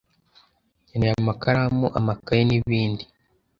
Nkeneye amakaramu, amakaye n'ibindi.